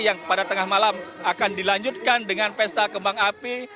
yang pada tengah malam akan dilanjutkan dengan pesta kembang api